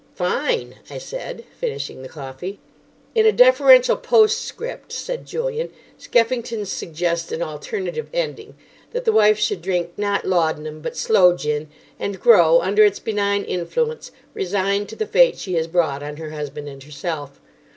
"Fine," I said, finishing the coffee. "In a deferential postscript," said Julian, "Skeffington's suggest an alternative ending, that the wife should drink, not laudanum, but Sloe Gin, and grow, under its benign influence, resigned to the fate she has brought on her husband and herself.